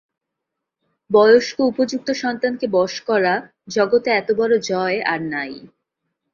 বয়স্ক উপযুক্ত সন্তানকে বশ করা, জগতে এতবড় জয় আর নাই।